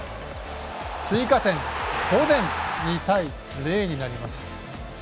追加点フォデン、２対０になります。